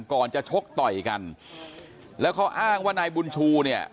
ก่อนจะชกต่อยกันแล้วเขาอ้างว่านายบุญชูเนี่ย